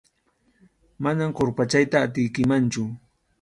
Manam qurpachayta atiykimanchu.